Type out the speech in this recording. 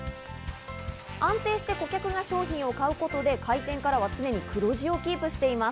安定して顧客が商品を買うことで、開店からは常に黒字をキープしています。